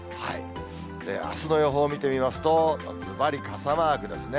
あすの予報見てみますと、ずばり傘マークですね。